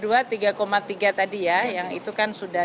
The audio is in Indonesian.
dari dua puluh dua triliun tiga tiga triliun tadi ya yang itu kan sudah